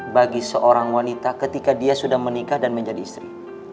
bagi seorang wanita ketika dia sudah menikah dan menjadi istri